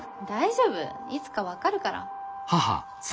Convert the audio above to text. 大丈夫いつか分かるから。